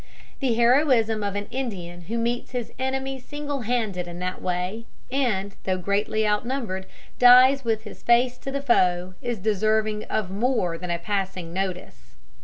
The heroism of an Indian who meets his enemy single handed in that way, and, though greatly outnumbered, dies with his face to the foe, is deserving of more than a passing notice.